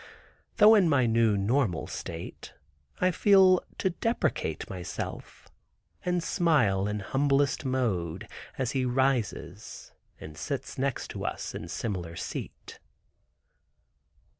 Though in my new normal state, I feel to deprecate myself, and smile in humblest mode, as he rises and sits next us in similar seat.